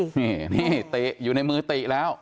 นี่นี่ตี๋อยู่ในมือตี๋แล้ว